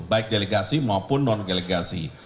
baik delegasi maupun non delegasi